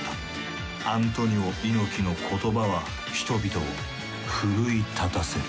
アントニオ猪木の言葉は人々を奮い立たせる。